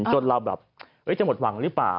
จนเราแบบจะหมดหวังหรือเปล่า